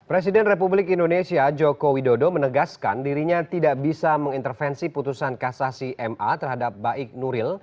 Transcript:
presiden republik indonesia joko widodo menegaskan dirinya tidak bisa mengintervensi putusan kasasi ma terhadap baik nuril